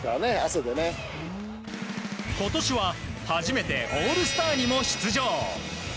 今年は初めてオールスターにも出場。